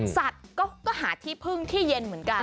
สัตว์ก็หาที่พึ่งที่เย็นเหมือนกัน